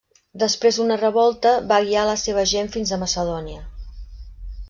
Després d'una revolta, va guiar la seva gent fins a Macedònia.